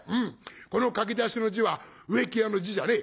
この書き出しの字は植木屋の字じゃねえ。